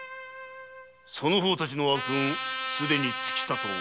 その方たちの悪運すでに尽きたと思え。